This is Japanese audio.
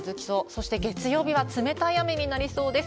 そして月曜日は冷たい雨になりそうです。